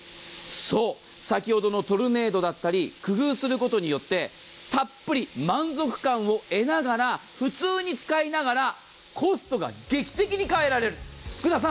そう、先ほどのトルネードだったり工夫することによってたっぷり満足感を得ながら普通に使いながら、コストが劇的に変えられる。